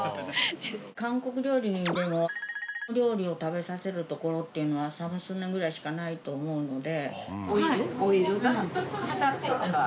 韓国料理でも料理を食べさせる所っていうのはサムスンネぐらいしかないと思うので。